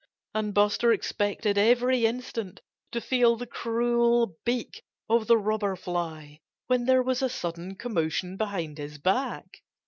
And Buster expected every instant to feel the cruel beak of the Robber Fly, when there was a sudden commotion behind his back.